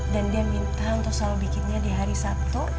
dan dia minta untuk selalu bikinnya di hari sabtu